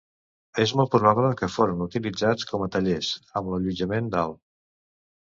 És molt probable que foren utilitzats com a tallers, amb l'allotjament dalt.